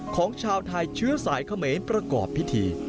ของชาวไทยเชื้อสายเขมรประกอบพิธี